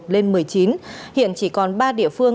lên một mươi chín hiện chỉ còn ba địa phương